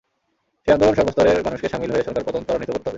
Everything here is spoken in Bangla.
সেই আন্দোলনে সর্বস্তরের মানুষকে শামিল হয়ে সরকার পতন ত্বরান্বিত করতে হবে।